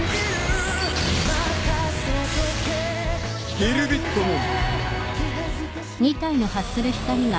ディルビットモン！